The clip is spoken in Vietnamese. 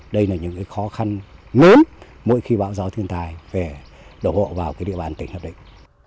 đây là những cái khó khăn mến mỗi khi bão gió thiên tài về đổ bộ vào cái địa bàn tỉnh nam định